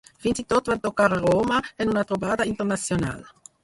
Fins i tot van tocar a Roma, en una trobada internacional.